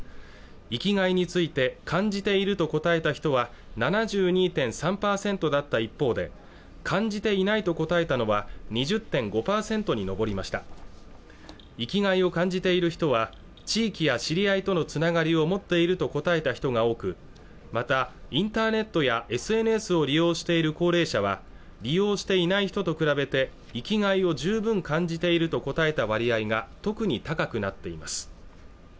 生きがいについて感じていると答えた人は７２．３％だった一方で感じていないと答えたのは２０．５％に上りました生きがいを感じている人は地域や知り合いとのつながりを持っていると答えた人が多くまたインターネットやＳＮＳを利用している高齢者は利用していない人と比べて生きがいを十分感じていると答えた割合が特に高くなっています